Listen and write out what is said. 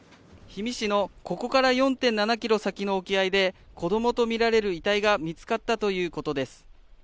氷見市のここから４．７ｋｍ先の沖合で、子供とみられる遺体が見つかったということです。